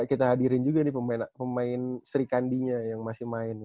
kita hadirin juga nih pemain sri kandinya yang masih main